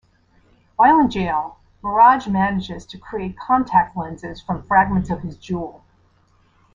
While in jail, Mirage manages to create contact lenses from fragments of his jewel.